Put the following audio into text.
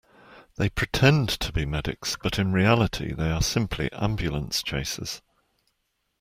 They pretend to be medics, but in reality they are simply ambulance chasers.